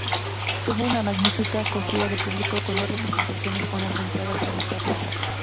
Tuvo una magnífica acogida de público con dos representaciones con las entradas agotadas.